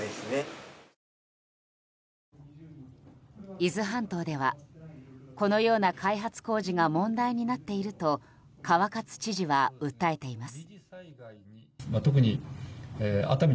伊豆半島ではこのような開発工事が問題になっていると川勝知事は訴えています。